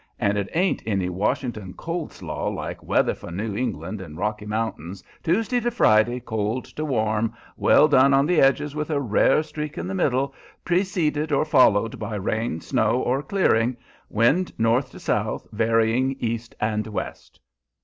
And it ain't any Washington cold slaw like 'Weather for New England and Rocky Mountains, Tuesday to Friday; cold to warm; well done on the edges with a rare streak in the middle, preceded or followed by rain, snow, or clearing. Wind, north to south, varying east and west.'